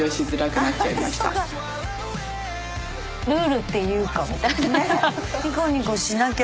ルールっていうかみたいな。